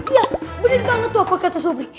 iya bener banget tuh apa kata subli